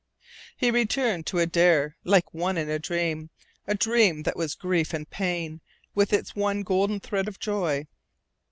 He returned to Adare like one in a dream a dream that was grief and pain, with its one golden thread of joy.